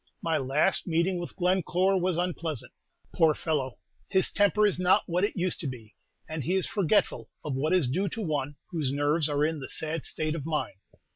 My last meeting with Glencore was unpleasant. Poor fellow! his temper is not what it used to be, and he is forgetful of what is due to one whose nerves are in the sad state of mine.